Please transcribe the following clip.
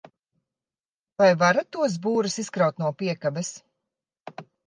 Vai varat tos būrus izkraut no piekabes?